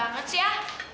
aneh banget sih ya